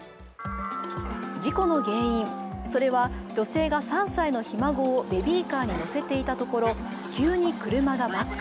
事故の原因、それは女性が３歳のひ孫をベビーカーに乗せていたところ急に車がバック。